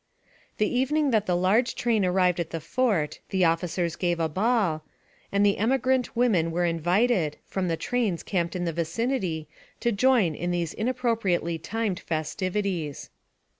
The evening that the large train arrived at the fort, the officers gave a ball, and the emigrant women were 36 NARRATIVE OF CAPTIVITY invited, from the trains camped in the vicinity, to join in these inappropriately timed festivities.